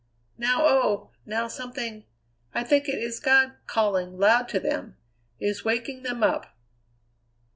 Now, oh! now something I think it is God calling loud to them is waking them up.